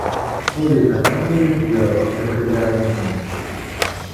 Ur iban anwa i as-d-iṛzan tiqillaɛin ines.